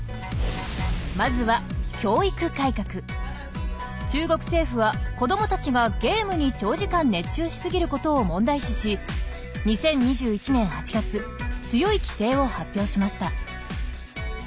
まずは中国政府は子供たちがゲームに長時間熱中しすぎることを問題視し２０２１年８月強い規制を発表しました。